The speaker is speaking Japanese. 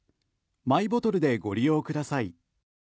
マイボトルでご利用ください。